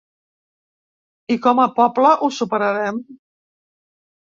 I com a poble ho superarem.